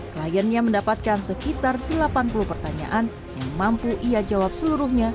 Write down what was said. kliennya mendapatkan sekitar delapan puluh pertanyaan yang mampu ia jawab seluruhnya